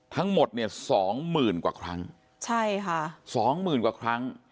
ทั้งหมด๒หมื่นกว่าครั้ง